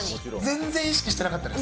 全然意識してなかったです。